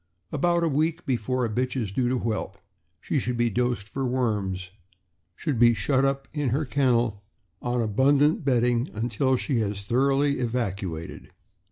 About a week before a bitch is due to whelp, she should be dosed for worms; should then be shut uj)inher kennel, on abundant bedding, until she has thoroughly evacuated.